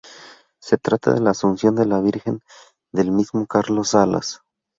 Se trata de la "Asunción de la Virgen", del mismo Carlos Salas.